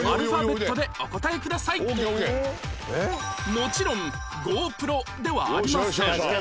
もちろん ＧｏＰｒｏ ではありません